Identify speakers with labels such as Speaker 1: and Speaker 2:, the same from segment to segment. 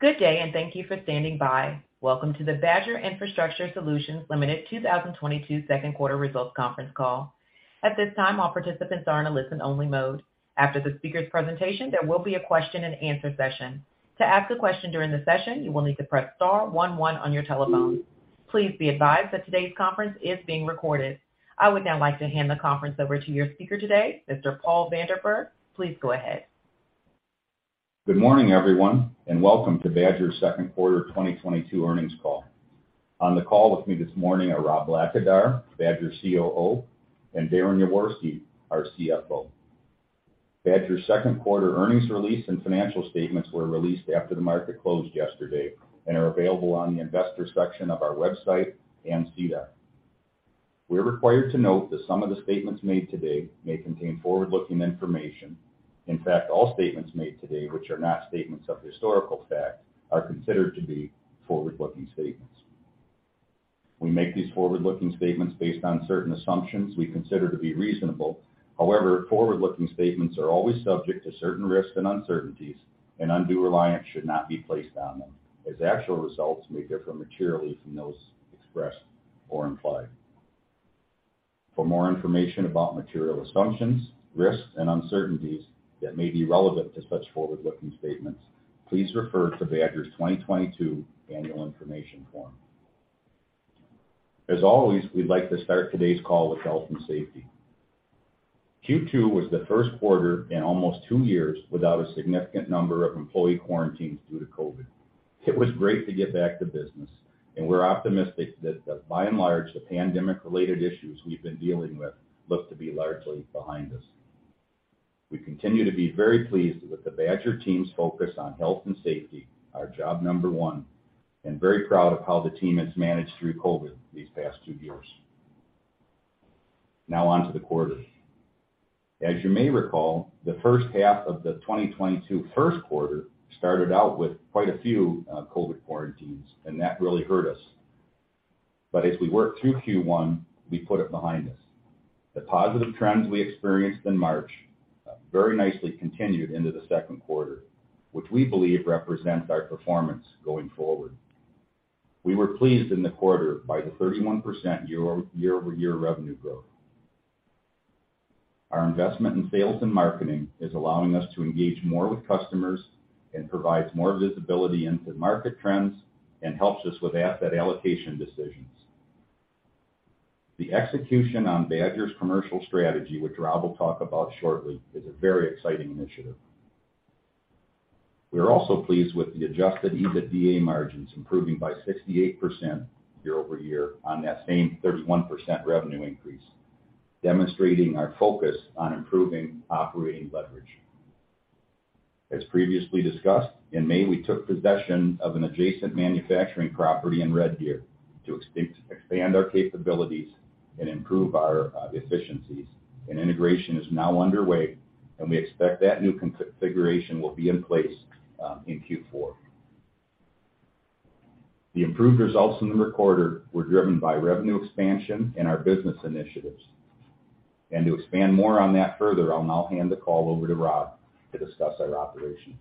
Speaker 1: Good day, and thank you for standing by. Welcome to the Badger Infrastructure Solutions Ltd. 2022 second quarter results conference call. At this time, all participants are in a listen-only mode. After the speaker's presentation, there will be a question-and-answer session. To ask a question during the session, you will need to press star one one on your telephone. Please be advised that today's conference is being recorded. I would now like to hand the conference over to your speaker today, Mr. Paul Vanderberg. Please go ahead.
Speaker 2: Good morning, everyone, and welcome to Badger's second quarter 2022 earnings call. On the call with me this morning are Rob Blackadar, Badger's COO, and Darren Yaworsky, our CFO. Badger's second quarter earnings release and financial statements were released after the market closed yesterday and are available on the investor section of our website and SEDAR.We are required to note that some of the statements made today may contain forward-looking information. In fact, all statements made today which are not statements of historical fact are considered to be forward-looking statements. We make these forward-looking statements based on certain assumptions we consider to be reasonable. However, forward-looking statements are always subject to certain risks and uncertainties, and undue reliance should not be placed on them as actual results may differ materially from those expressed or implied. For more information about material assumptions, risks, and uncertainties that may be relevant to such forward-looking statements, please refer to Badger's 2022 annual information form. As always, we'd like to start today's call with health and safety. Q2 was the first quarter in almost two years without a significant number of employee quarantines due to COVID. It was great to get back to business, and we're optimistic that, by and large, the pandemic-related issues we've been dealing with look to be largely behind us. We continue to be very pleased with the Badger team's focus on health and safety, our job number one, and very proud of how the team has managed through COVID these past two years. Now onto the quarter. As you may recall, the first half of the 2022 first quarter started out with quite a few COVID quarantines, and that really hurt us. As we worked through Q1, we put it behind us. The positive trends we experienced in March very nicely continued into the second quarter, which we believe represents our performance going forward. We were pleased in the quarter by the 31% year-over-year revenue growth. Our investment in sales and marketing is allowing us to engage more with customers and provides more visibility into market trends and helps us with asset allocation decisions. The execution on Badger's commercial strategy, which Rob will talk about shortly, is a very exciting initiative. We are also pleased with the Adjusted EBITDA margins improving by 68% year-over-year on that same 31% revenue increase, demonstrating our focus on improving operating leverage.
Speaker 3: As previously discussed, in May, we took possession of an adjacent manufacturing property in Red Deer to expand our capabilities and improve our efficiencies, and integration is now underway, and we expect that new configuration will be in place in Q4. The improved results in the quarter were driven by revenue expansion and our business initiatives. To expand more on that further, I'll now hand the call over to Rob to discuss our operations.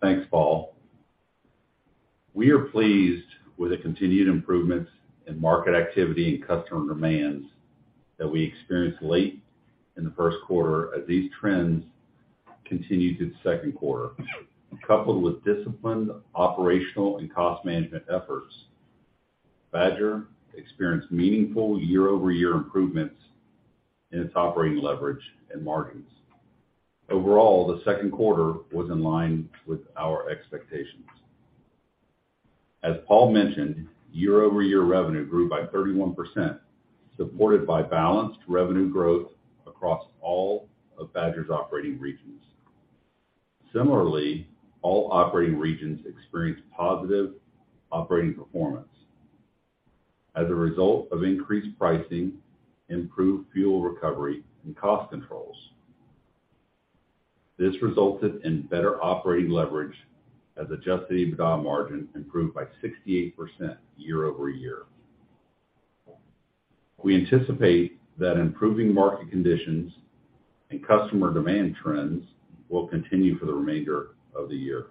Speaker 3: Thanks, Paul. We are pleased with the continued improvements in market activity and customer demands that we experienced late in the first quarter as these trends continued through the second quarter. Coupled with disciplined operational and cost management efforts, Badger experienced meaningful year-over-year improvements in its operating leverage and margins. Overall, the second quarter was in line with our expectations.
Speaker 2: As Paul mentioned, year-over-year revenue grew by 31%, supported by balanced revenue growth across all of Badger's operating regions. Similarly, all operating regions experienced positive operating performance as a result of increased pricing, improved fuel recovery, and cost controls. This resulted in better operating leverage as adjusted EBITDA margin improved by 68% year-over-year. We anticipate that improving market conditions and customer demand trends will continue for the remainder of the year.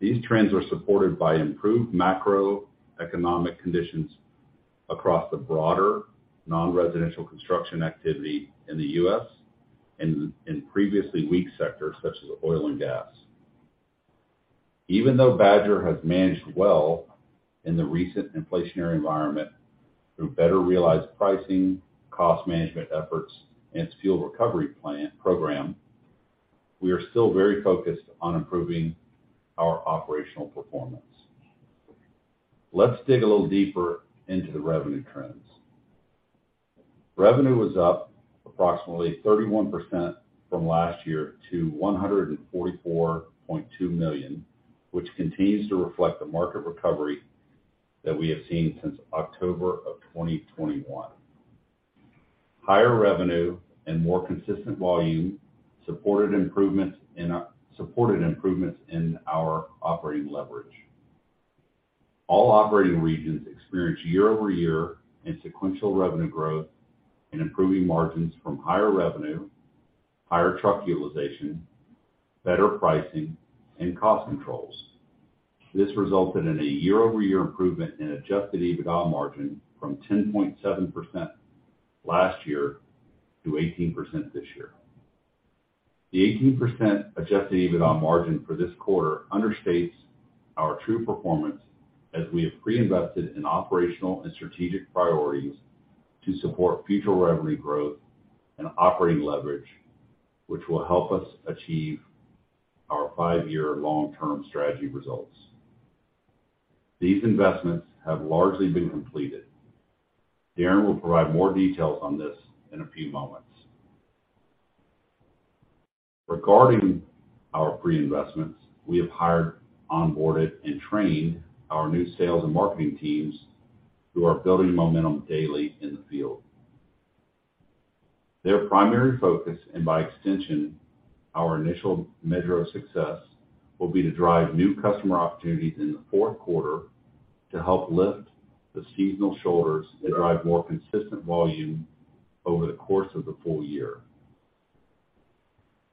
Speaker 2: These trends are supported by improved macroeconomic conditions across the broader non-residential construction activity in the U.S. and in previously weak sectors such as oil and gas. Even though Badger has managed well in the recent inflationary environment through better realized pricing, cost management efforts, and its fuel recovery program, we are still very focused on improving our operational performance. Let's dig a little deeper into the revenue trends. Revenue was up approximately 31% from last year to 144.2 million, which continues to reflect the market recovery that we have seen since October 2021. Higher revenue and more consistent volume supported improvements in our operating leverage. All operating regions experienced year-over-year and sequential revenue growth and improving margins from higher revenue, higher truck utilization, better pricing, and cost controls. This resulted in a year-over-year improvement in Adjusted EBITDA margin from 10.7% last year to 18% this year. The 18% Adjusted EBITDA margin for this quarter understates our true performance as we have pre-invested in operational and strategic priorities to support future revenue growth and operating leverage, which will help us achieve our five year long-term strategy results. These investments have largely been completed. Darren will provide more details on this in a few moments. Regarding our pre-investments, we have hired, onboarded, and trained our new sales and marketing teams who are building momentum daily in the field. Their primary focus, and by extension, our initial measure of success, will be to drive new customer opportunities in the fourth quarter to help lift the seasonal shoulders and drive more consistent volume over the course of the full year.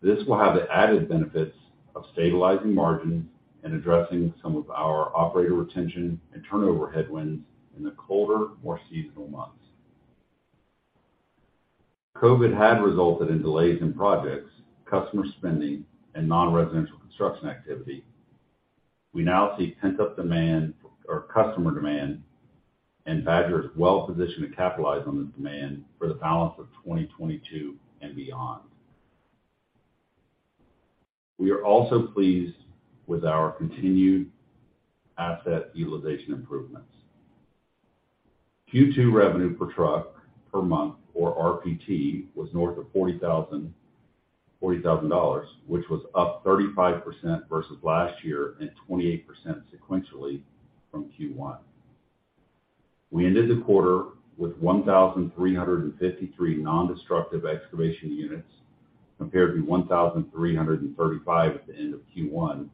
Speaker 2: This will have the added benefits of stabilizing margins and addressing some of our operator retention and turnover headwinds in the colder, more seasonal months. COVID had resulted in delays in projects, customer spending, and non-residential construction activity. We now see pent-up demand or customer demand, and Badger is well positioned to capitalize on the demand for the balance of 2022 and beyond. We are also pleased with our continued asset utilization improvements. Q2 revenue per truck per month, or RPT, was north of $40,000, which was up 35% versus last year and 28% sequentially from Q1. We ended the quarter with 1,353 non-destructive excavation units compared to 1,335 at the end of Q1,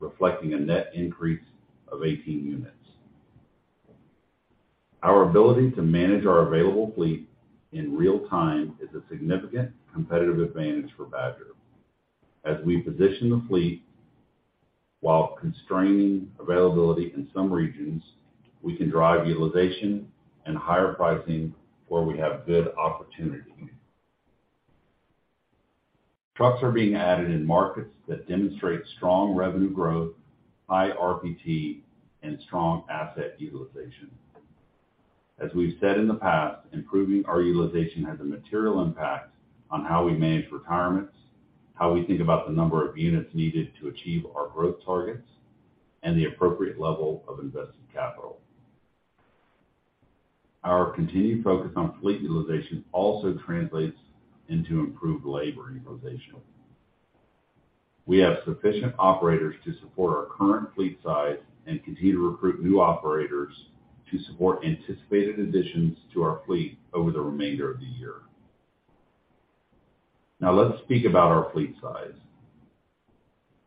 Speaker 2: reflecting a net increase of 18 units. Our ability to manage our available fleet in real time is a significant competitive advantage for Badger. As we position the fleet while constraining availability in some regions, we can drive utilization and higher pricing where we have good opportunity. Trucks are being added in markets that demonstrate strong revenue growth, high RPT, and strong asset utilization. As we've said in the past, improving our utilization has a material impact on how we manage retirements, how we think about the number of units needed to achieve our growth targets, and the appropriate level of invested capital. Our continued focus on fleet utilization also translates into improved labor utilization. We have sufficient operators to support our current fleet size and continue to recruit new operators to support anticipated additions to our fleet over the remainder of the year. Now, let's speak about our fleet size.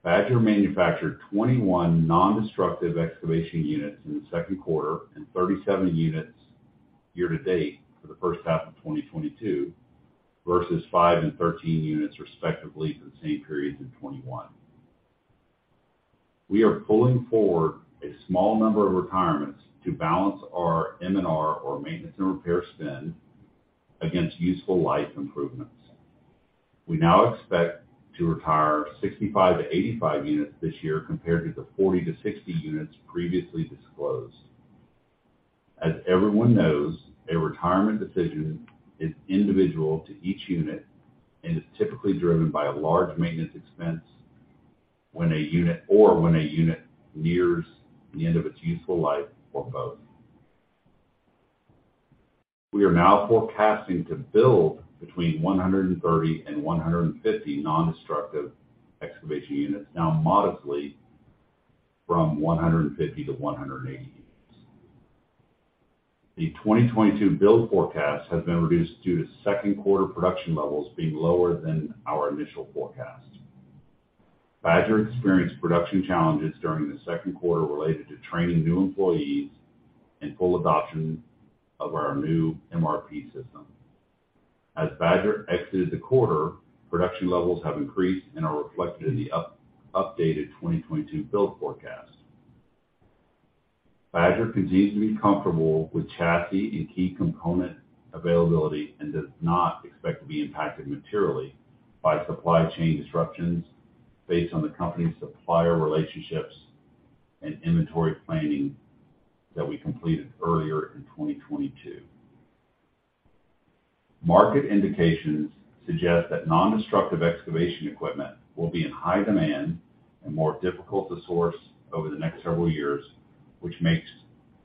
Speaker 2: Badger manufactured 21 non-destructive excavation units in the second quarter and 37 units year to date for the first half of 2022 versus five and 13 units, respectively, for the same periods in 2021. We are pulling forward a small number of retirements to balance our M&R or maintenance and repair spend against useful life improvements. We now expect to retire 65-85 units this year compared to the 40-60 units previously disclosed. As everyone knows, a retirement decision is individual to each unit and is typically driven by a large maintenance expense when a unit nears the end of its useful life or both. We are now forecasting to build between 130 and 150 non-destructive excavation units, down modestly from 150-180 units. The 2022 build forecast has been reduced due to second quarter production levels being lower than our initial forecast. Badger experienced production challenges during the second quarter related to training new employees and full adoption of our new MRP system. As Badger exited the quarter, production levels have increased and are reflected in the updated 2022 build forecast. Badger continues to be comfortable with chassis and key component availability and does not expect to be impacted materially by supply chain disruptions based on the company's supplier relationships and inventory planning that we completed earlier in 2022. Market indications suggest that non-destructive excavation equipment will be in high demand and more difficult to source over the next several years, which makes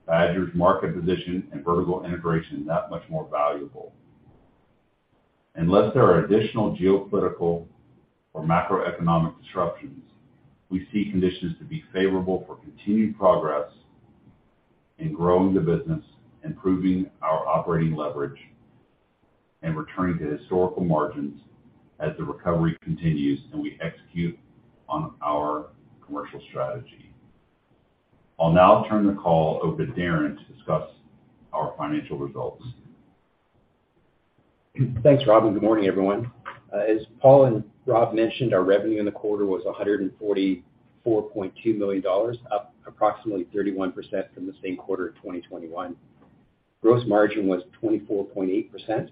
Speaker 2: Badger's market position and vertical integration that much more valuable. Unless there are additional geopolitical or macroeconomic disruptions, we see conditions to be favorable for continued progress in growing the business, improving our operating leverage and returning to historical margins as the recovery continues and we execute on our commercial strategy. I'll now turn the call over to Darren to discuss our financial results.
Speaker 4: Thanks, Rob, and good morning, everyone. As Paul and Rob mentioned, our revenue in the quarter was 144.2 million dollars, up approximately 31% from the same quarter of 2021. Gross margin was 24.8%,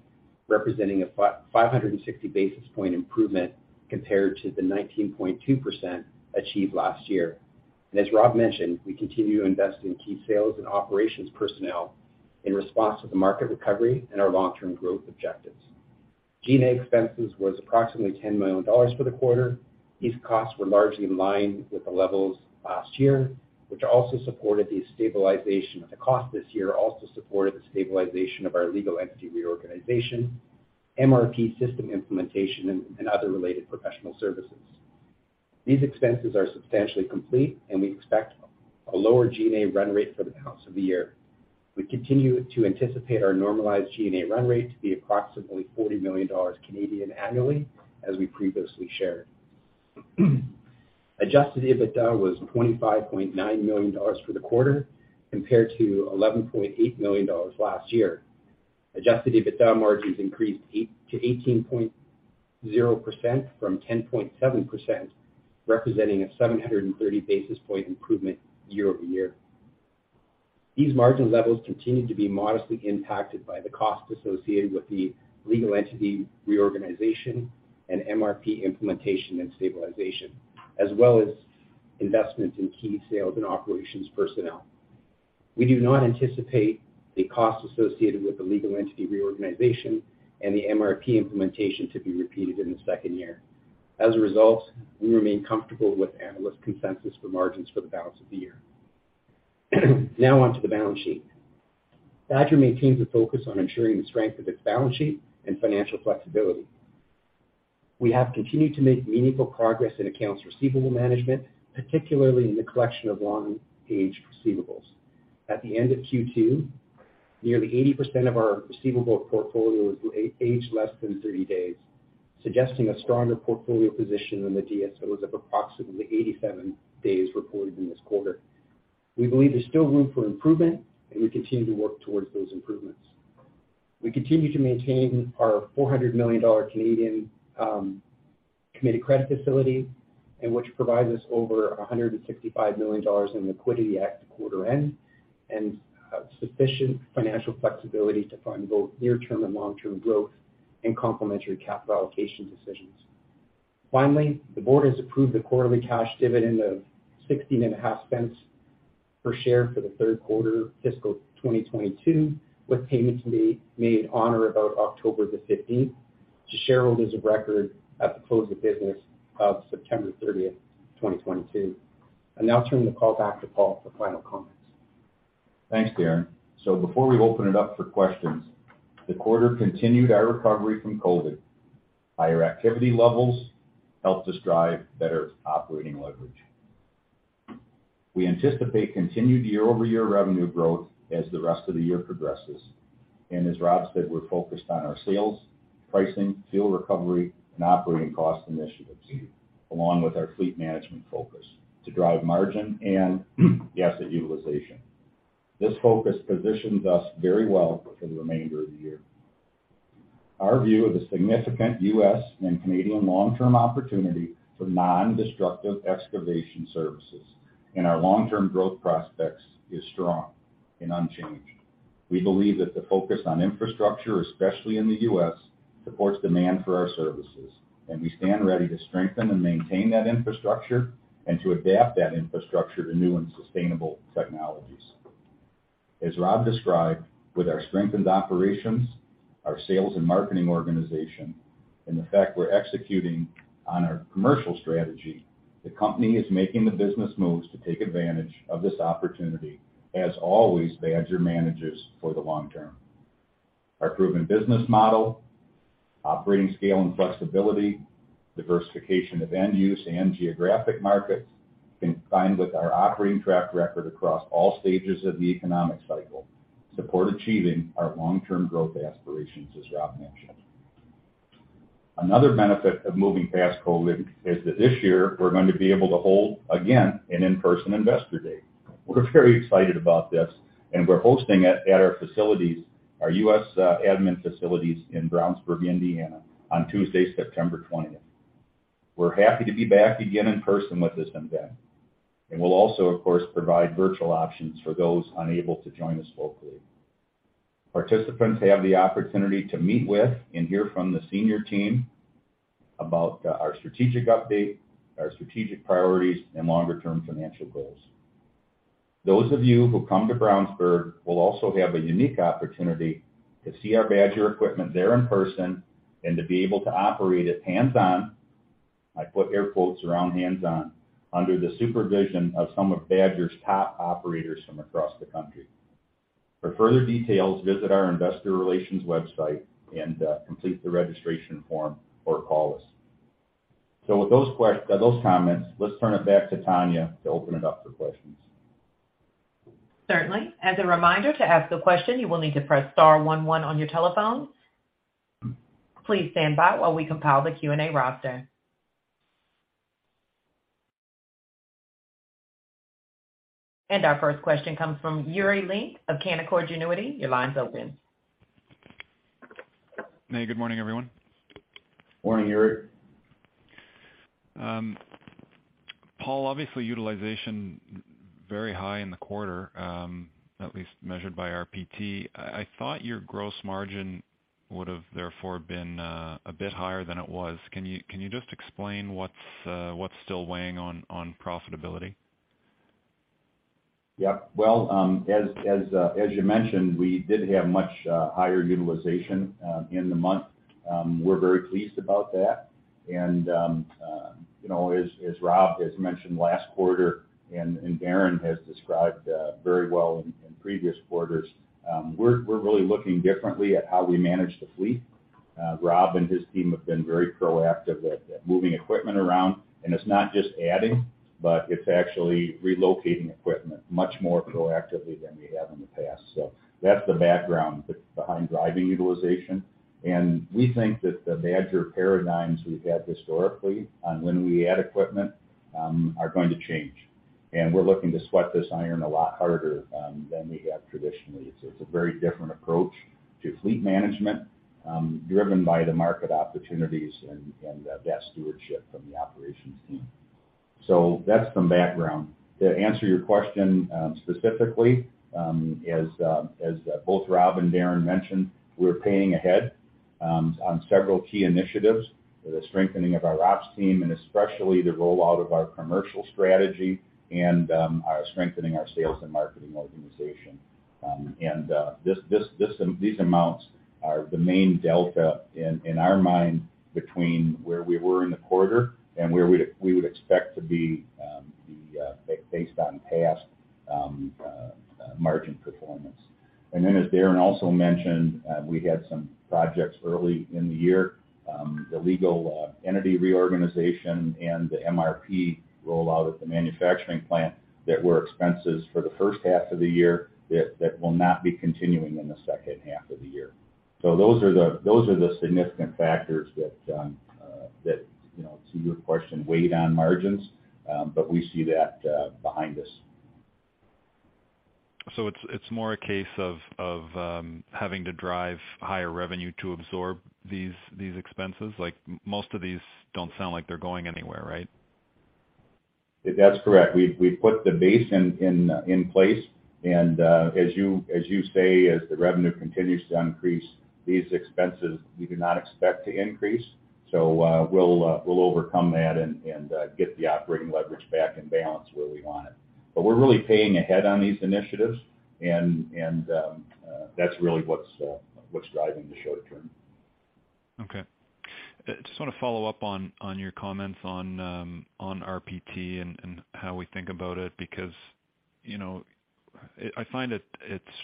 Speaker 4: representing a five hundred and sixty basis point improvement compared to the 19.2% achieved last year. As Rob mentioned, we continue to invest in key sales and operations personnel in response to the market recovery and our long-term growth objectives. G&A expenses was approximately 10 million dollars for the quarter. These costs were largely in line with the levels last year, which also supported the stabilization of the cost this year, supported the stabilization of our legal entity reorganization, MRP system implementation and other related professional services. These expenses are substantially complete, and we expect a lower G&A run rate for the balance of the year. We continue to anticipate our normalized G&A run rate to be approximately 40 million Canadian dollars annually, as we previously shared. Adjusted EBITDA was 25.9 million dollars for the quarter, compared to 11.8 million dollars last year. Adjusted EBITDA margins increased to 18.0% from 10.7%, representing a 730 basis point improvement year-over-year. These margin levels continue to be modestly impacted by the costs associated with the legal entity reorganization and MRP implementation and stabilization, as well as investments in key sales and operations personnel. We do not anticipate the costs associated with the legal entity reorganization and the MRP implementation to be repeated in the second year. As a result, we remain comfortable with analyst consensus for margins for the balance of the year. Now on to the balance sheet. Badger maintains a focus on ensuring the strength of its balance sheet and financial flexibility. We have continued to make meaningful progress in accounts receivable management, particularly in the collection of long-aged receivables. At the end of Q2, nearly 80% of our receivable portfolio was aged less than 30 days, suggesting a stronger portfolio position than the DSO of approximately 87 days reported in this quarter. We believe there's still room for improvement, and we continue to work towards those improvements. We continue to maintain our 400 million Canadian dollars Canadian committed credit facility, which provides us over 165 million dollars in liquidity at quarter end, and sufficient financial flexibility to fund both near-term and long-term growth and complementary capital allocation decisions. Finally, the board has approved a quarterly cash dividend of 0.165 per share for the third quarter of fiscal 2022, with payments to be made on or about October 15 to shareholders of record at the close of business of 30th September 2022. I'll now turn the call back to Paul for final comments.
Speaker 2: Thanks, Darren. Before we open it up for questions, the quarter continued our recovery from COVID. Higher activity levels helped us drive better operating leverage. We anticipate continued year-over-year revenue growth as the rest of the year progresses. As Rob said, we're focused on our sales, pricing, fuel recovery, and operating cost initiatives, along with our fleet management focus to drive margin and the asset utilization. This focus positions us very well for the remainder of the year. Our view of the significant U.S. and Canadian long-term opportunity for non-destructive excavation services and our long-term growth prospects is strong and unchanged. We believe that the focus on infrastructure, especially in the U.S., supports demand for our services, and we stand ready to strengthen and maintain that infrastructure and to adapt that infrastructure to new and sustainable technologies. As Rob described, with our strengthened operations, our sales and marketing organization, and the fact we're executing on our commercial strategy, the company is making the business moves to take advantage of this opportunity. As always, Badger manages for the long term. Our proven business model, operating scale and flexibility, diversification of end use and geographic markets, combined with our operating track record across all stages of the economic cycle, support achieving our long-term growth aspirations, as Rob mentioned. Another benefit of moving past COVID is that this year we're going to be able to hold, again, an in-person Investor Day. We're very excited about this, and we're hosting it at our facilities, our U.S. admin facilities in Brownsburg, Indiana, on Tuesday, September 20th. We're happy to be back again in person with this event, and we'll also, of course, provide virtual options for those unable to join us locally. Participants have the opportunity to meet with and hear from the senior team about our strategic update, our strategic priorities, and longer-term financial goals. Those of you who come to Brownsburg will also have a unique opportunity to see our Badger equipment there in person and to be able to operate it hands-on, I put air quotes around hands-on, under the supervision of some of Badger's top operators from across the country. For further details, visit our investor relations website and complete the registration form or call us. With those comments, let's turn it back to Tanya to open it up for questions.
Speaker 1: Certainly. As a reminder, to ask a question, you will need to press star one one on your telephone. Please stand by while we compile the Q&A roster. Our first question comes from Yuri Lynk of Canaccord Genuity. Your line's open.
Speaker 5: Hey, good morning, everyone.
Speaker 2: Morning, Yuri.
Speaker 5: Paul, obviously utilization very high in the quarter, at least measured by RPT. I thought your gross margin would have therefore been a bit higher than it was. Can you just explain what's still weighing on profitability?
Speaker 2: Yeah. Well, as you mentioned, we did have much higher utilization in the month. We're very pleased about that. You know, as Rob has mentioned last quarter and Darren has described very well in previous quarters, we're really looking differently at how we manage the fleet. Rob and his team have been very proactive at moving equipment around, and it's not just adding, but it's actually relocating equipment much more proactively than we have in the past. That's the background behind driving utilization. We're looking to sweat this iron a lot harder than we have traditionally. It's a very different approach to fleet management, driven by the market opportunities and that stewardship from the operations team. That's some background. To answer your question, specifically, as both Rob and Darren mentioned, we're paying ahead on several key initiatives for the strengthening of our ops team, and especially the rollout of our commercial strategy and strengthening our sales and marketing organization. These amounts are the main delta in our mind between where we were in the quarter and where we would expect to be based on past margin performance. As Darren also mentioned, we had some projects early in the year, the legal entity reorganization and the MRP rollout at the manufacturing plant that were expenses for the first half of the year that will not be continuing in the second half of the year. Those are the significant factors that, you know, to your question, weighed on margins, but we see that behind us.
Speaker 5: It's more a case of having to drive higher revenue to absorb these expenses? Like, most of these don't sound like they're going anywhere, right?
Speaker 2: That's correct. We've put the base in place. As you say, as the revenue continues to increase, these expenses we do not expect to increase. We'll overcome that and get the operating leverage back in balance where we want it. We're really paying ahead on these initiatives and that's really what's driving the short term.
Speaker 5: Okay. Just want to follow up on your comments on RPT and how we think about it because, you know, I find it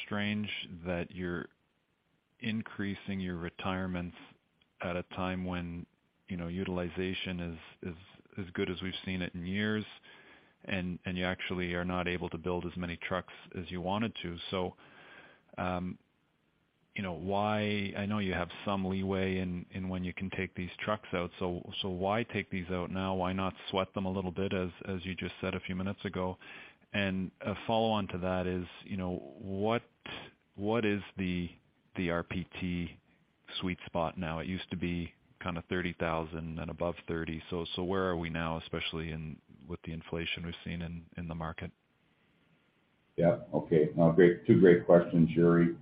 Speaker 5: strange that you're increasing your retirements at a time when, you know, utilization is as good as we've seen it in years, and you actually are not able to build as many trucks as you wanted to. You know, why take these out now? I know you have some leeway in when you can take these trucks out, so why take these out now? Why not sweat them a little bit, as you just said a few minutes ago? A follow-on to that is, you know, what is the RPT sweet spot now? It used to be kinda $30,000, then above $30. Where are we now, especially in with the inflation we've seen in the market?
Speaker 2: Yeah. Okay. Great. Two great questions, Yuri.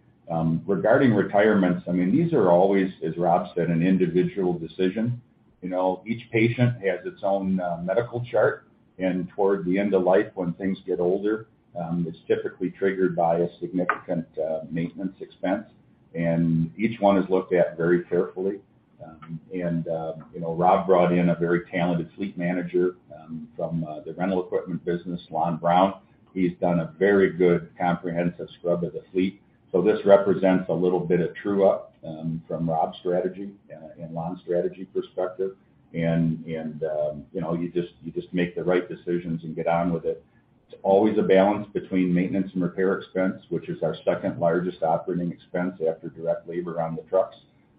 Speaker 2: Regarding retirements, I mean, these are always, as Rob said, an individual decision. You know, each patient has its own medical chart, and toward the end of life, when things get older, it's typically triggered by a significant maintenance expense. Each one is looked at very carefully. You know, Rob brought in a very talented fleet manager from the rental equipment business, Lon Brown. He's done a very good comprehensive scrub of the fleet. This represents a little bit of true up from Rob's strategy and Lon's strategy perspective. You know, you just make the right decisions and get on with it. It's always a balance between maintenance and repair expense, which is our second largest operating expense after direct labor on the trucks,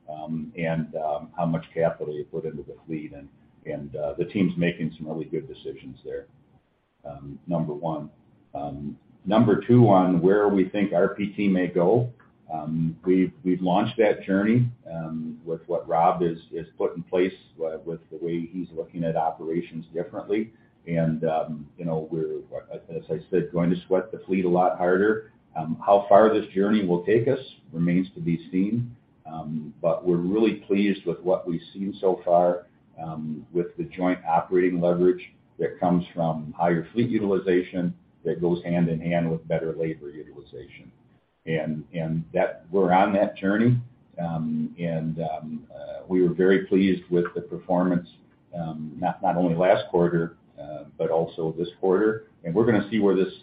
Speaker 2: and how much capital you put into the fleet. The team's making some really good decisions there, number one. Number two on where we think RPT may go, we've launched that journey with what Rob has put in place with the way he's looking at operations differently. You know, we're, as I said, going to sweat the fleet a lot harder. How far this journey will take us remains to be seen. But we're really pleased with what we've seen so far with the joint operating leverage that comes from higher fleet utilization that goes hand in hand with better labor utilization. That we're on that journey. We were very pleased with the performance, not only last quarter, but also this quarter. We're gonna see where this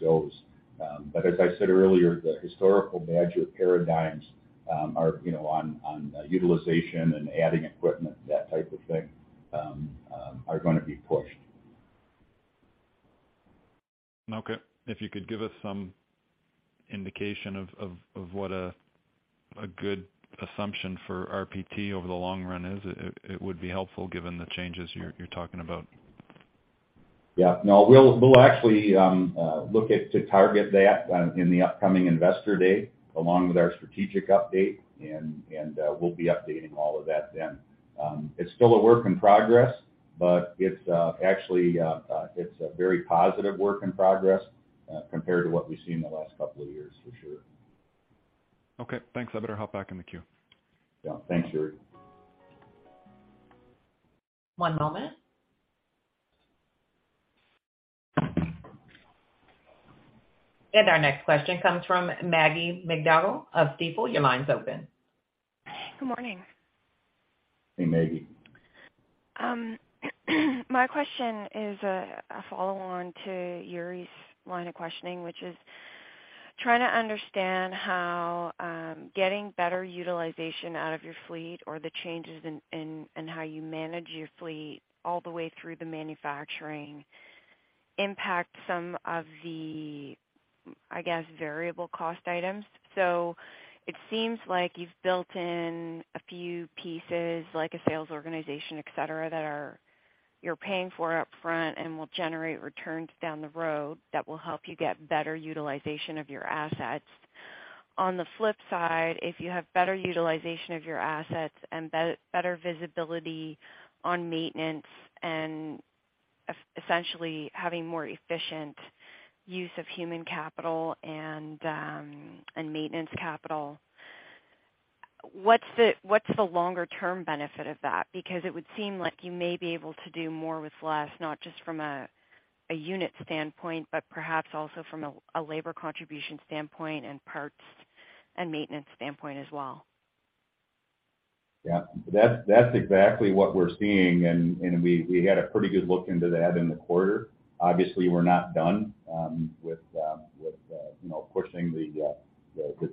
Speaker 2: goes. As I said earlier, the historical Badger paradigms are, you know, on utilization and adding equipment, that type of thing, are gonna be pushed.
Speaker 5: Okay. If you could give us some indication of what a good assumption for RPT over the long run is, it would be helpful given the changes you're talking about.
Speaker 2: Yeah. No, we'll actually look to target that in the upcoming Investor Day, along with our strategic update, and we'll be updating all of that then. It's still a work in progress, but it's actually a very positive work in progress compared to what we've seen in the last couple of years for sure.
Speaker 5: Okay, thanks. I better hop back in the queue.
Speaker 2: Yeah. Thanks, Yuri.
Speaker 1: One moment. Our next question comes from Maggie MacDougall of Stifel. Your line's open.
Speaker 6: Good morning.
Speaker 2: Hey, Maggie.
Speaker 6: My question is a follow on to Yuri's line of questioning, which is trying to understand how getting better utilization out of your fleet or the changes in how you manage your fleet all the way through the manufacturing impact some of the, I guess, variable cost items. It seems like you've built in a few pieces like a sales organization, et cetera, that are you're paying for up front and will generate returns down the road that will help you get better utilization of your assets. On the flip side, if you have better utilization of your assets and better visibility on maintenance and essentially having more efficient use of human capital and maintenance capital, what's the longer term benefit of that? Because it would seem like you may be able to do more with less, not just from a unit standpoint, but perhaps also from a labor contribution standpoint and parts and maintenance standpoint as well.
Speaker 2: Yeah. That's exactly what we're seeing. We had a pretty good look into that in the quarter. Obviously, we're not done with you know, pushing the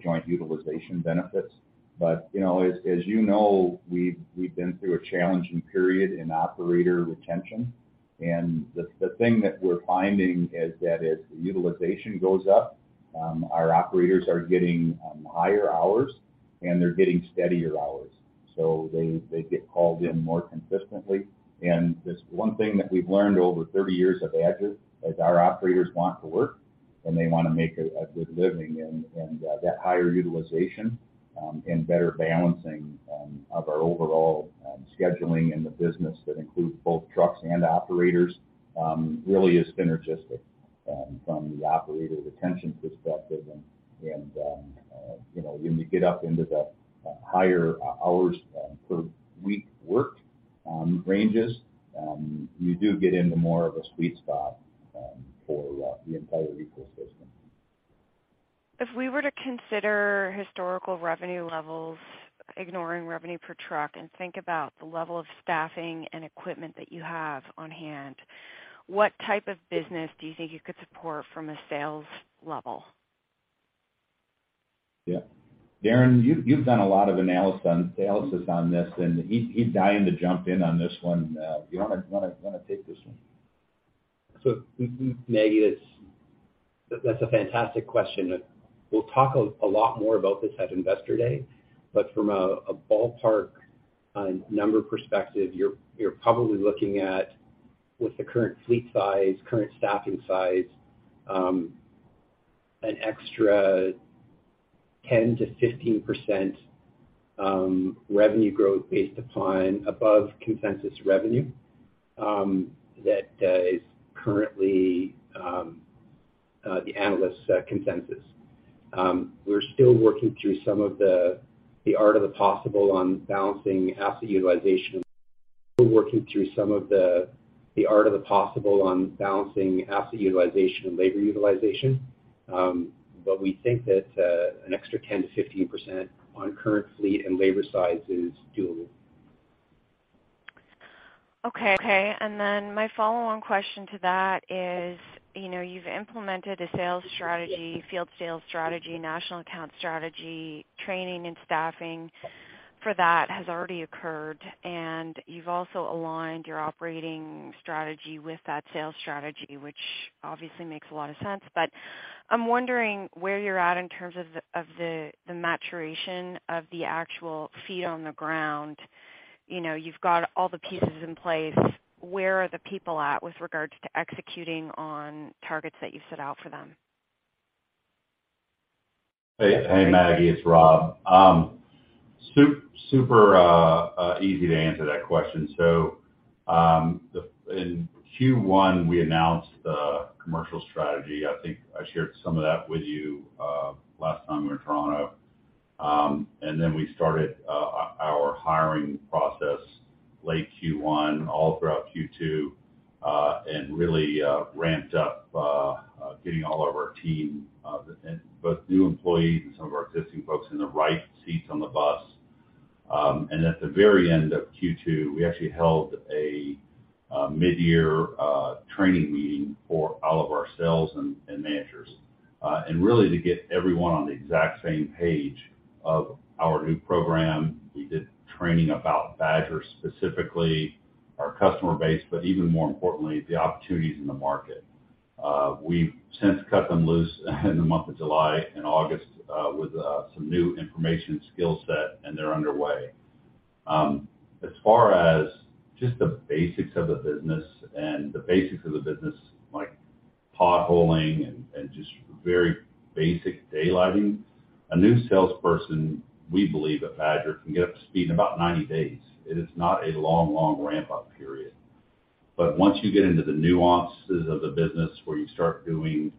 Speaker 2: joint utilization benefits. You know, as you know, we've been through a challenging period in operator retention. The thing that we're finding is that as the utilization goes up, our operators are getting higher hours, and they're getting steadier hours, so they get called in more consistently. Just one thing that we've learned over 30 years of Badger is our operators want to work, and they wanna make a good living. That higher utilization and better balancing of our overall scheduling in the business that includes both trucks and operators really is synergistic from the operator retention perspective. You know, when you get up into the higher hours per week worked ranges, you do get into more of a sweet spot for the entire ecosystem.
Speaker 6: If we were to consider historical revenue levels, ignoring revenue per truck, and think about the level of staffing and equipment that you have on hand, what type of business do you think you could support from a sales level?
Speaker 2: Yeah. Darren, you've done a lot of analysis on this, and he's dying to jump in on this one. You wanna take this one?
Speaker 4: Maggie, that's a fantastic question, and we'll talk a lot more about this at Investor Day. From a ballpark number perspective, you're probably looking at with the current fleet size, current staffing size, an extra 10%-15% revenue growth based upon above consensus revenue that is currently the analyst's consensus. We're still working through some of the art of the possible on balancing asset utilization and labor utilization. We think that an extra 10%-15% on current fleet and labor size is doable.
Speaker 6: Okay. My follow-on question to that is, you know, you've implemented a sales strategy, field sales strategy, national account strategy, training and staffing for that has already occurred. You've also aligned your operating strategy with that sales strategy, which obviously makes a lot of sense. I'm wondering where you're at in terms of the maturation of the actual feet on the ground. You know, you've got all the pieces in place. Where are the people at with regards to executing on targets that you set out for them?
Speaker 3: Hey, hey Maggie, it's Rob. Super easy to answer that question. In Q1 we announced the commercial strategy. I think I shared some of that with you last time we were in Toronto. We started our hiring process late Q1 all throughout Q2 and really ramped up getting all of our team and both new employees and some of our existing folks in the right seats on the bus. At the very end of Q2, we actually held midyear training meeting for all of our sales and managers and really to get everyone on the exact same page of our new program. We did training about Badger, specifically our customer base, but even more importantly, the opportunities in the market.
Speaker 2: We've since cut them loose in the month of July and August with some new information skill set, and they're underway. As far as just the basics of the business like potholing and just very basic daylighting. A new salesperson, we believe at Badger, can get up to speed in about 90 days. It is not a long ramp-up period. Once you get into the nuances of the business where you start doing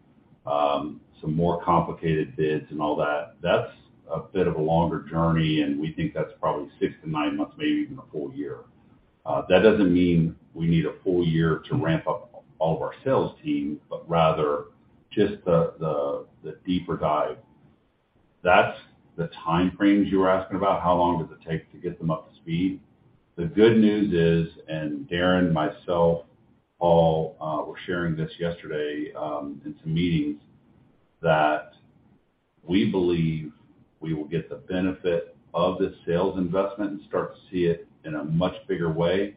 Speaker 2: some more complicated bids and all that's a bit of a longer journey, and we think that's probably 6-9 months, maybe even a full year. That doesn't mean we need a full year to ramp up all of our sales team, but rather just the deeper dive. That's the time frames you were asking about, how long does it take to get them up to speed. The good news is, and Darren, myself, Paul, were sharing this yesterday, in some meetings that we believe we will get the benefit of this sales investment and start to see it in a much bigger way,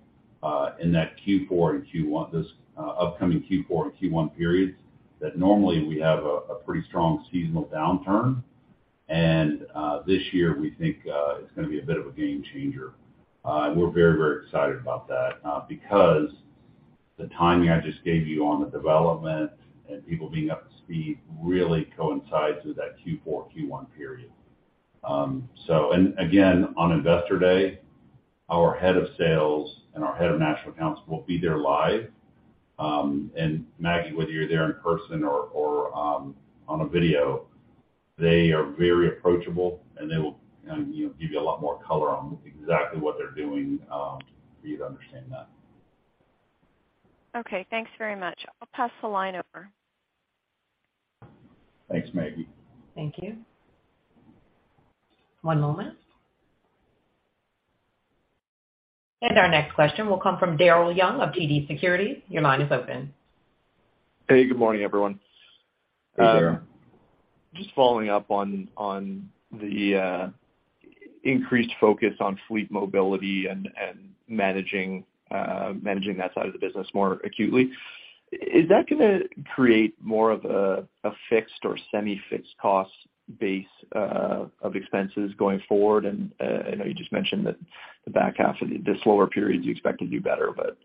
Speaker 2: in that Q4 and Q1. This upcoming Q4 and Q1 periods that normally we have a pretty strong seasonal downturn. This year, we think, it's gonna be a bit of a game changer. We're very, very excited about that, because the timing I just gave you on the development and people being up to speed really coincides with that Q4, Q1 period. Again, on Investor Day, our head of sales and our head of national accounts will be there live. Maggie, whether you're there in person or on a video, they are very approachable, and they will give you a lot more color on exactly what they're doing for you to understand that.
Speaker 6: Okay. Thanks very much. I'll pass the line over.
Speaker 2: Thanks, Maggie.
Speaker 1: Thank you. One moment. Our next question will come from Daryl Young of TD Securities. Your line is open.
Speaker 7: Hey, good morning, everyone.
Speaker 2: Hey, Daryl.
Speaker 7: Just following up on the increased focus on fleet mobility and managing that side of the business more acutely. Is that gonna create more of a fixed or semi-fixed cost base of expenses going forward? I know you just mentioned that the back half of the slower periods you expect to do better, but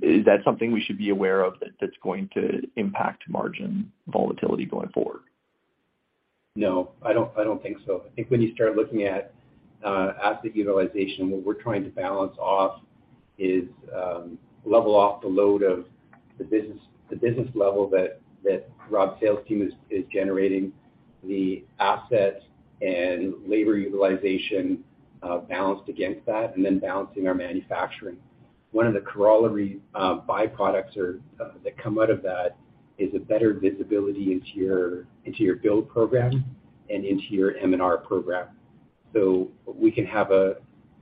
Speaker 7: is that something we should be aware of that's going to impact margin volatility going forward?
Speaker 2: No. I don't think so. I think when you start looking at asset utilization, what we're trying to balance off is level off the load of the business, the business level that Rob's sales team is generating the assets and labor utilization balanced against that and then balancing our manufacturing. One of the corollary byproducts are that come out of that is a better visibility into your build program and into your M&R program. We can have a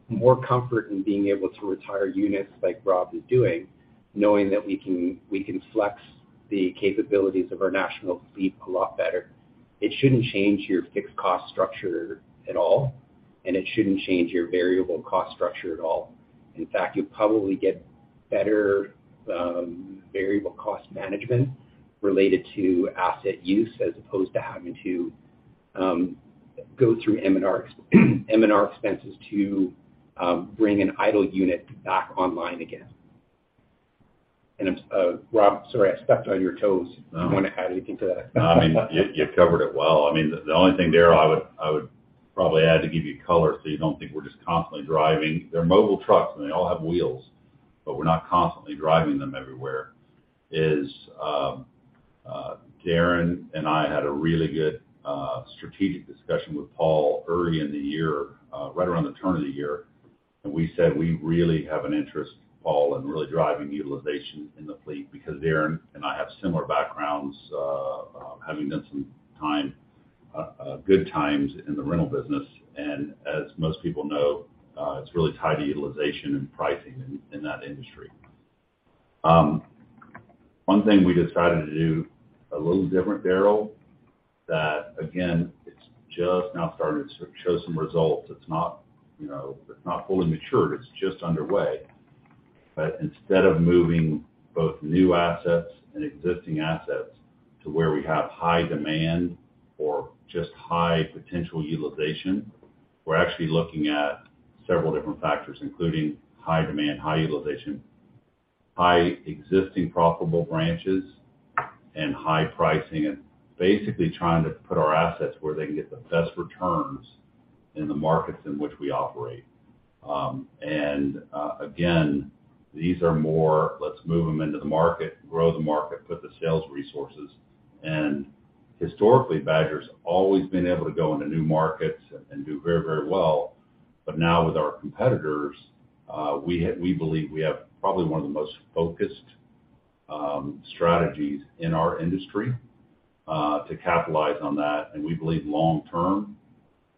Speaker 2: more comfort in being able to retire units like Rob is doing, knowing that we can flex the capabilities of our national fleet a lot better. It shouldn't change your fixed cost structure at all, and it shouldn't change your variable cost structure at all. In fact, you'll probably get better variable cost management related to asset use as opposed to having to go through M&R expenses to bring an idle unit back online again. Rob, sorry, I stepped on your toes. No.
Speaker 7: You wanna add anything to that?
Speaker 3: No. I mean, you covered it well. I mean, the only thing, Daryl, I would probably add to give you color, so you don't think we're just constantly driving, they're mobile trucks, and they all have wheels, but we're not constantly driving them everywhere, is, Darren and I had a really good strategic discussion with Paul early in the year, right around the turn of the year. We said we really have an interest, Paul, in really driving utilization in the fleet because Darren and I have similar backgrounds, having done some time, good times in the rental business. As most people know, it's really tied to utilization and pricing in that industry. One thing we decided to do a little different, Daryl, that again, it's just now started to show some results.
Speaker 2: It's not, you know, it's not fully matured, it's just underway. Instead of moving both new assets and existing assets to where we have high demand or just high potential utilization, we're actually looking at several different factors, including high demand, high utilization, high existing profitable branches, and high pricing, and basically trying to put our assets where they can get the best returns in the markets in which we operate. Again, these are more, let's move them into the market, grow the market, put the sales resources. Historically, Badger's always been able to go into new markets and do very, very well. Now with our competitors, we believe we have probably one of the most focused strategies in our industry to capitalize on that, and we believe long term,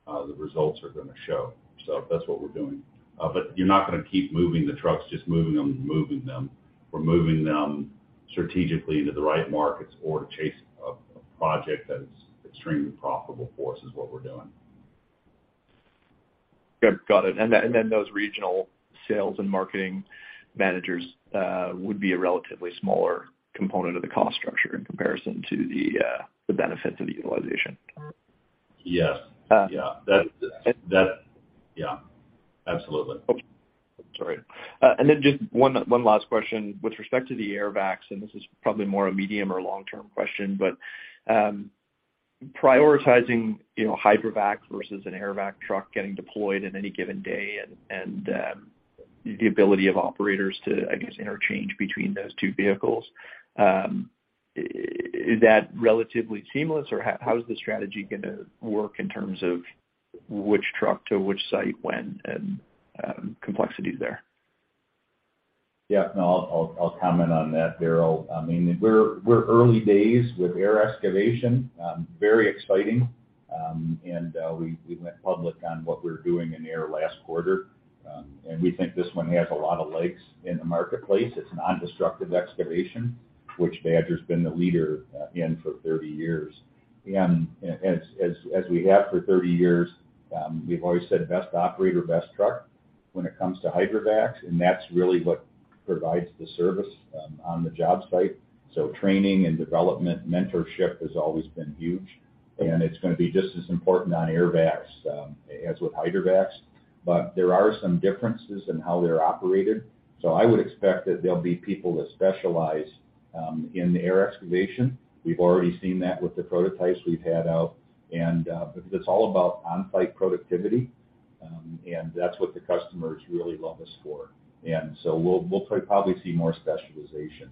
Speaker 2: the results are gonna show. That's what we're doing. You're not gonna keep moving the trucks, just moving them and moving them. We're moving them strategically to the right markets or to chase a project that is extremely profitable for us is what we're doing.
Speaker 7: Okay. Got it. Those regional sales and marketing managers would be a relatively smaller component of the cost structure in comparison to the benefits of the utilization?
Speaker 2: Yes.
Speaker 7: Uh-
Speaker 2: Yeah. Yeah, absolutely.
Speaker 7: Okay. Sorry. Just one last question. With respect to the Airvacs, and this is probably more a medium or long-term question, but prioritizing, you know, Hydrovac versus an Airvac truck getting deployed in any given day and the ability of operators to, I guess, interchange between those two vehicles, is that relatively seamless or how is the strategy gonna work in terms of which truck to which site when and complexities there?
Speaker 2: Yeah. No, I'll comment on that, Daryl. I mean, we're early days with air excavation, very exciting. We went public on what we're doing in air last quarter. We think this one has a lot of legs in the marketplace. It's a non-destructive excavation, which Badger's been the leader in for 30 years. As we have for 30 years, we've always said, best operator, best truck when it comes to Hydrovacs, and that's really what provides the service on the job site. Training and development, mentorship has always been huge, and it's gonna be just as important on Airvacs as with Hydrovacs. There are some differences in how they're operated, so I would expect that there'll be people that specialize in air excavation. We've already seen that with the prototypes we've had out. Because it's all about on-site productivity, and that's what the customers really love us for. We'll probably see more specialization.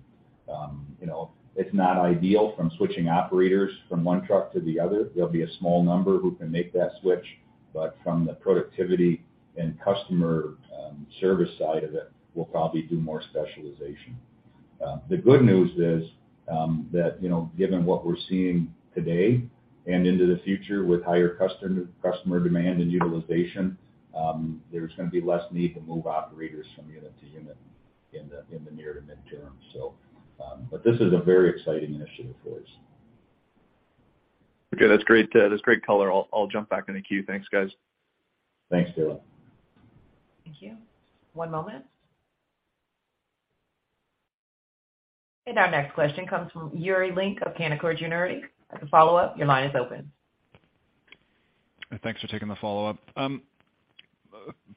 Speaker 2: You know, it's not ideal from switching operators from one truck to the other. There'll be a small number who can make that switch, but from the productivity and customer service side of it, we'll probably do more specialization. The good news is that, you know, given what we're seeing today and into the future with higher customer demand and utilization, there's gonna be less need to move operators from unit to unit in the near to mid-term. This is a very exciting initiative for us.
Speaker 7: Okay. That's great color. I'll jump back in the queue. Thanks, guys.
Speaker 2: Thanks, Daryl.
Speaker 1: Thank you. One moment. Our next question comes from Yuri Lynk of Canaccord Genuity. As a follow-up, your line is open.
Speaker 5: Thanks for taking the follow-up.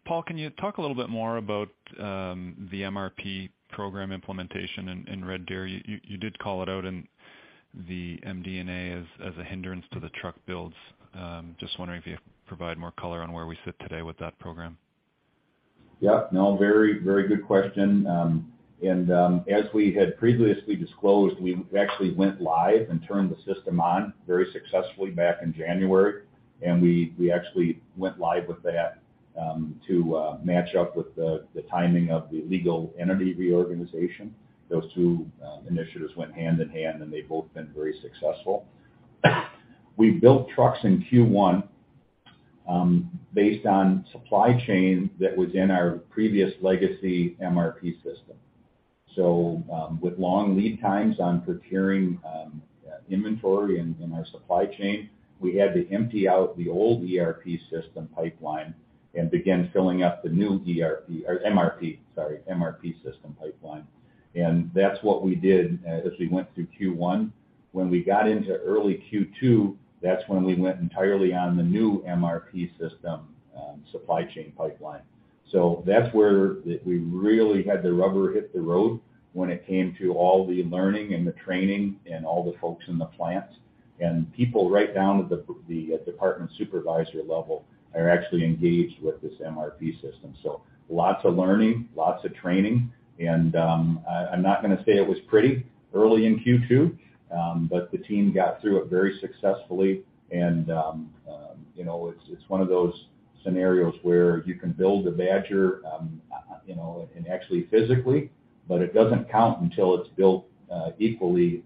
Speaker 5: Paul, can you talk a little bit more about the MRP program implementation in Red Deer? You did call it out in the MD&A as a hindrance to the truck builds. Just wondering if you could provide more color on where we sit today with that program.
Speaker 2: Yeah. No, very, very good question. As we had previously disclosed, we actually went live and turned the system on very successfully back in January. We actually went live with that to match up with the timing of the legal entity reorganization. Those two initiatives went hand in hand, and they've both been very successful. We built trucks in Q1 based on supply chain that was in our previous legacy MRP system. With long lead times on procuring inventory in our supply chain, we had to empty out the old ERP system pipeline and begin filling up the new MRP system pipeline. That's what we did as we went through Q1. When we got into early Q2, that's when we went entirely on the new MRP system, supply chain pipeline. That's where we really had the rubber hit the road when it came to all the learning and the training and all the folks in the plants. People right down to the department supervisor level are actually engaged with this MRP system. Lots of learning, lots of training. I'm not gonna say it was pretty early in Q2, but the team got through it very successfully. You know, it's one of those scenarios where you can build a Badger, you know, and actually physically, but it doesn't count until it's built, equally,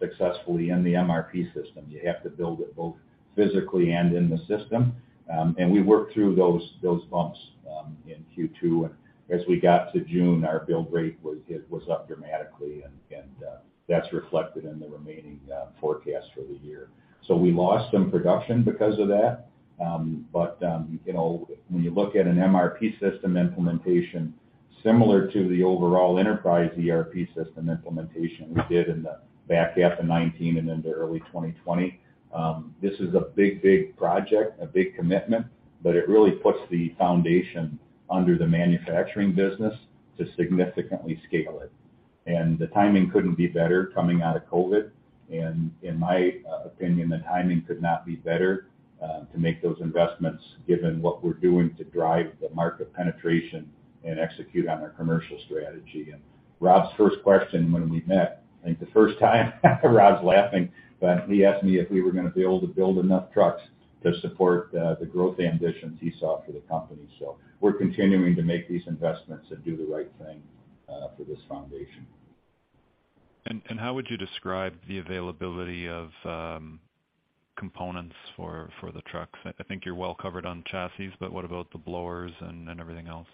Speaker 2: successfully in the MRP system. You have to build it both physically and in the system. We worked through those bumps in Q2. As we got to June, our build rate was up dramatically, and that's reflected in the remaining forecast for the year. We lost some production because of that. You know, when you look at an MRP system implementation similar to the overall enterprise ERP system implementation we did in the back half of 2019 and into early 2020, this is a big project, a big commitment, but it really puts the foundation under the manufacturing business to significantly scale it. The timing couldn't be better coming out of COVID. In my opinion, the timing could not be better to make those investments given what we're doing to drive the market penetration and execute on our commercial strategy. Rob's first question when we met, I think the first time, Rob's laughing, but he asked me if we were gonna be able to build enough trucks.
Speaker 4: To support the growth ambitions he saw for the company. We're continuing to make these investments and do the right thing for this foundation.
Speaker 5: How would you describe the availability of components for the trucks? I think you're well covered on chassis, but what about the blowers and everything else?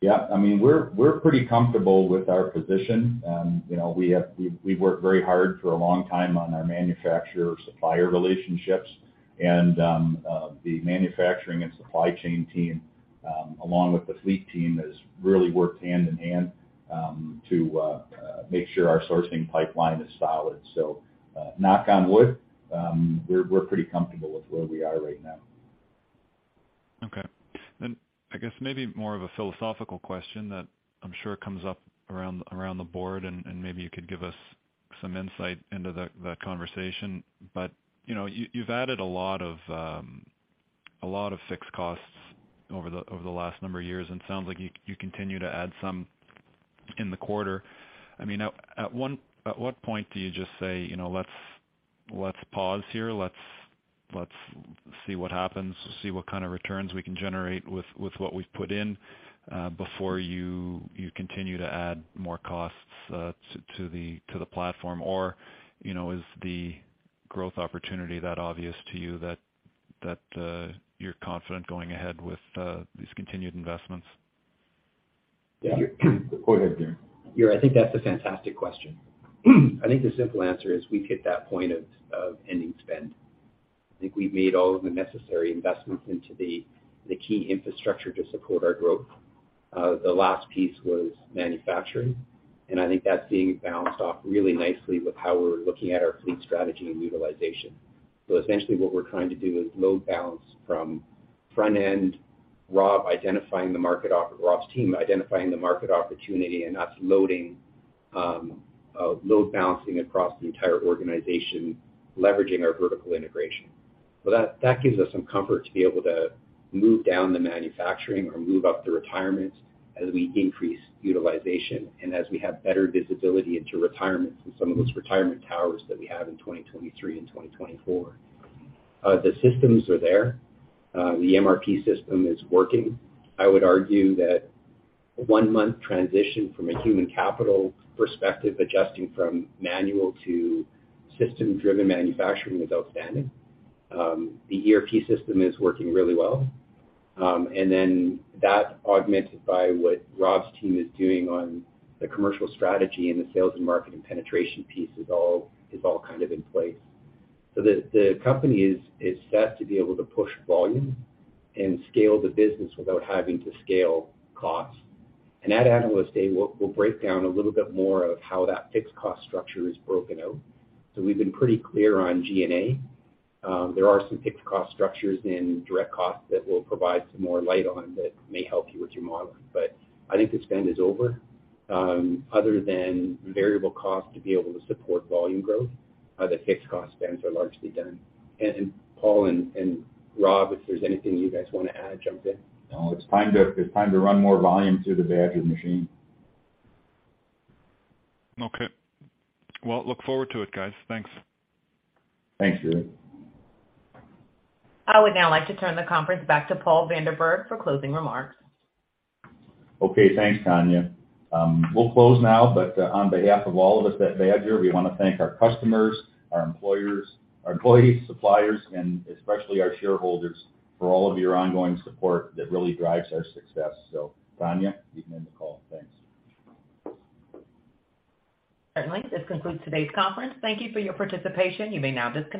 Speaker 4: Yeah, I mean, we're pretty comfortable with our position. You know, we worked very hard for a long time on our manufacturer-supplier relationships. The manufacturing and supply chain team, along with the fleet team, has really worked hand-in-hand to make sure our sourcing pipeline is solid. Knock on wood, we're pretty comfortable with where we are right now.
Speaker 5: Okay. I guess maybe more of a philosophical question that I'm sure comes up around the board, and maybe you could give us some insight into the conversation. You know, you've added a lot of fixed costs over the last number of years, and it sounds like you continue to add some in the quarter. I mean, at what point do you just say, you know, "Let's pause here, let's see what happens, see what kind of returns we can generate with what we've put in," before you continue to add more costs to the platform? Or, you know, is the growth opportunity that obvious to you that you're confident going ahead with these continued investments?
Speaker 4: Yeah.
Speaker 2: Go ahead, Darren.
Speaker 4: Yeah, I think that's a fantastic question. I think the simple answer is we've hit that point of ending spend. I think we've made all of the necessary investments into the key infrastructure to support our growth. The last piece was manufacturing, and I think that's being balanced off really nicely with how we're looking at our fleet strategy and utilization. Essentially what we're trying to do is load balance from front end, Rob's team identifying the market opportunity and us loading, load balancing across the entire organization, leveraging our vertical integration. That gives us some comfort to be able to move down the manufacturing or move up the retirement as we increase utilization and as we have better visibility into retirement and some of those retirement towers that we have in 2023 and 2024. The systems are there. The MRP system is working. I would argue that one month transition from a human capital perspective, adjusting from manual to system-driven manufacturing is outstanding. The ERP system is working really well. That augmented by what Rob's team is doing on the commercial strategy and the sales and marketing penetration piece is all kind of in place. The company is set to be able to push volume and scale the business without having to scale costs. At Analyst Day, we'll break down a little bit more of how that fixed cost structure is broken out. We've been pretty clear on G&A. There are some fixed cost structures and direct costs that we'll provide some more light on that may help you with your modeling. I think the spend is over. Other than variable costs to be able to support volume growth, the fixed cost spends are largely done. Paul and Rob, if there's anything you guys wanna add, jump in. No, it's time to run more volume through the Badger machine.
Speaker 5: Okay. Well, look forward to it, guys. Thanks. Thanks, Darren.
Speaker 1: I would now like to turn the conference back to Paul Vanderberg for closing remarks.
Speaker 2: Okay. Thanks, Tanya. We'll close now, but on behalf of all of us at Badger, we wanna thank our customers, our employees, suppliers, and especially our shareholders for all of your ongoing support that really drives our success. Tanya, you can end the call. Thanks.
Speaker 1: Certainly. This concludes today's conference. Thank you for your participation. You may now disconnect.